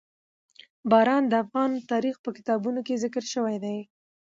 باران د افغان تاریخ په کتابونو کې ذکر شوی دي.